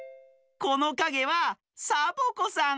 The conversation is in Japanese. このかげはサボ子さん。